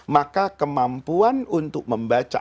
maka kemampuan untuk membaca